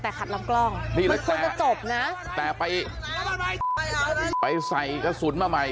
แต่ขัดลำกล้องน่าจะจบนะแต่ไปไปใส่กระสุนมาใหม่